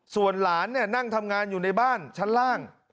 ส่วนหลานนั่งทำงานอยู่ในบ้านชั้นล่าง